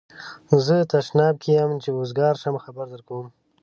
زه تشناب کی یم چی اوزګار شم خبر درکوم